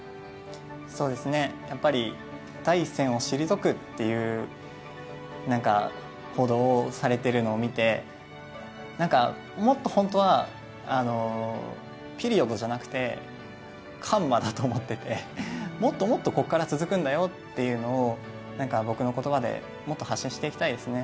やっぱり第一線を退くっていう報道をされてるのを見て、もっと本当はピリオドじゃなくてカンマだと思っててもっともっとここから続くんだよというのを僕の言葉でもっと発信していきたいですね。